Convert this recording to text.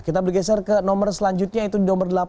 kita bergeser ke nomor selanjutnya yaitu di nomor delapan